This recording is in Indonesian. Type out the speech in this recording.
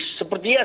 ya seperti itu